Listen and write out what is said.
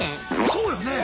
そうよね！